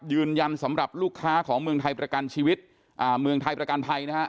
ยืนยันสำหรับลูกค้าของเมืองไทยประกันชีวิตเมืองไทยประกันภัยนะฮะ